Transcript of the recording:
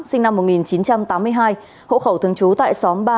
sinh năm một nghìn chín trăm tám mươi hai